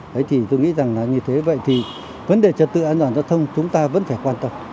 thế thì tôi nghĩ rằng là như thế vậy thì vấn đề trật tự an toàn giao thông chúng ta vẫn phải quan tâm